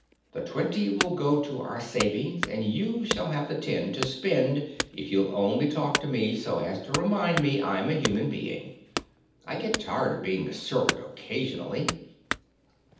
The twenty will go to our savings; and you shall have the ten to spend if you'll only talk to me so as to remind me I'm a human being. I get tired of being a servant occasionally.